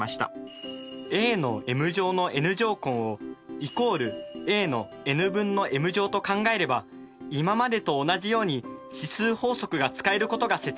ａのｍ乗のｎ乗根をイコールａのｎ分のｍ乗と考えれば今までと同じように指数法則が使えることが説明できました。